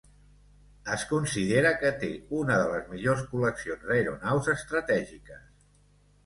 Es considera que té una de les millors col·leccions d'aeronaus estratègiques.